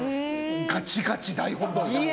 ガチガチ台本どおり。